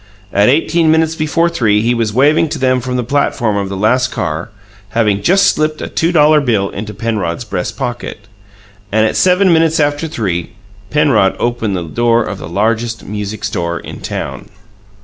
At eighteen minutes before three he was waving to them from the platform of the last car, having just slipped a two dollar bill into Penrod's breast pocket. And, at seven minutes after three, Penrod opened the door of the largest "music store" in town.